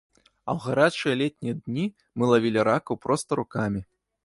А ў гарачыя летнія дні мы лавілі ракаў проста рукамі.